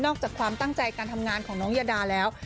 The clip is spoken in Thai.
จากความตั้งใจการทำงานของน้องยาดาแล้ว